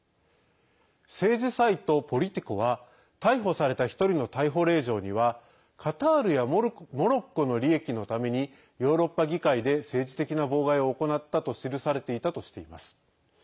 政治サイト、ポリティコは逮捕された１人の逮捕令状にはカタールやモロッコの利益のために、ヨーロッパ議会で政治的な妨害を行ったと記されていたとしています。